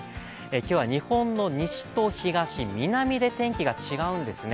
今日は日本の西と東、南で天気が違うんですよね。